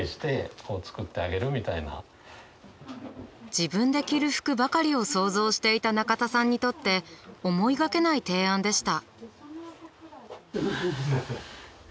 自分で着る服ばかりを想像していた中田さんにとって思いがけない提案でした。